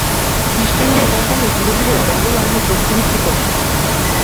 East India Company ধীরে ধীরে Bengal আর্মির শক্তিবৃদ্ধি করে।